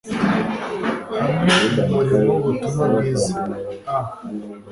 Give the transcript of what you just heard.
hamwe mu murimo w'Ubutumwa bwiza. A